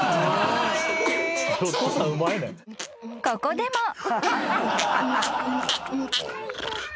［ここでも］